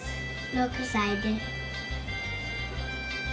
６さいです。